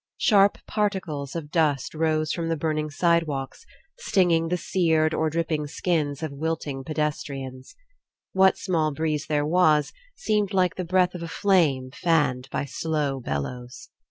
Sharp particles of dust rose from the burning sidewalks, stinging the seared or dripping skins of wilting pedestrians. What small breeze there was seemed like the breath of a flame fanned by slow bellows.